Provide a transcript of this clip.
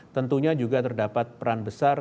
tentunya juga terdapat peran besar